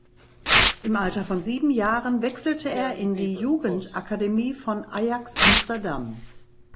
Im Alter von sieben Jahren wechselte er in die Jugendakademie von Ajax Amsterdam.